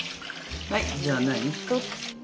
はいじゃあ何？